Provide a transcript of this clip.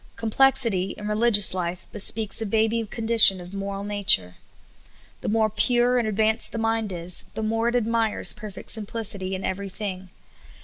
Complexity in religious life bespeaks a baby condition of moral nature. The more pure and advanced the mind is, the more it ad mires perfect simplicity in every thing.